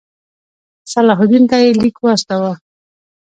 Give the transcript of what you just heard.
صلاح الدین ته یې لیک واستاوه.